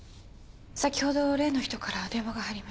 先ほど例の人から電話が入りました。